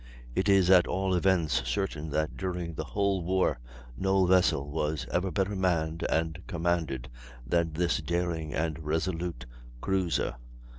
It is, at all events, certain that during the whole war no vessel was ever better manned and commanded than this daring and resolute cruiser.